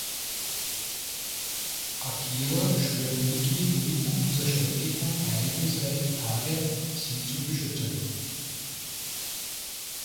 Akira schwört Miki inmitten dieser schrecklichen, ereignisreichen Tage sie zu beschützen.